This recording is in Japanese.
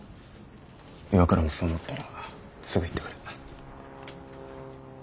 岩倉もそう思ったらすぐ言ってくれ。